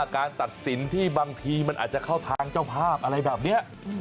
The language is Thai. การตัดสินที่บางทีมันอาจจะเข้าทางเจ้าภาพอะไรแบบนี้